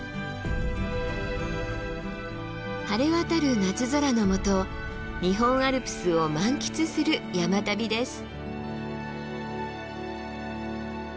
晴れ渡る夏空のもと日本アルプスを満喫する山旅です。